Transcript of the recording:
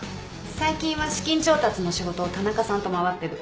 最近は資金調達の仕事を田中さんと回ってる。